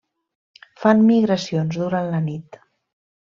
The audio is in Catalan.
Fan migracions durant la nit.